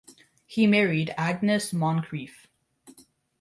He married Agnes Moncreiff.